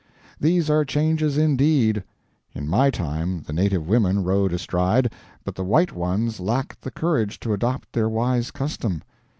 These are changes, indeed. In my time the native women rode astride, but the white ones lacked the courage to adopt their wise custom.